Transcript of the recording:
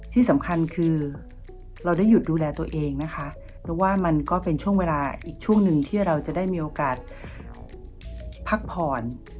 ที่สำคัญคือเราได้หยุดดูแลตัวเองนะคะเพราะว่ามันก็เป็นช่วงเวลาอีกช่วงหนึ่งที่เราจะได้มีโอกาสพักผ่อน